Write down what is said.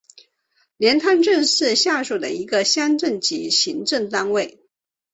连滩镇是下辖的一个乡镇级行政单位。